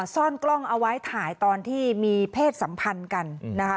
ซ่อนกล้องเอาไว้ถ่ายตอนที่มีเพศสัมพันธ์กันนะคะ